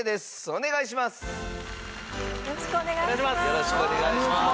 よろしくお願いします。